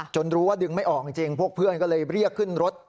รู้ว่าดึงไม่ออกจริงพวกเพื่อนก็เลยเรียกขึ้นรถ